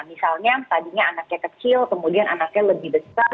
misalnya tadinya anaknya kecil kemudian anaknya lebih besar